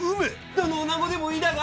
どの女子でもいいだが。